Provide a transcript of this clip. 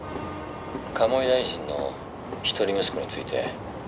鴨井大臣の一人息子について。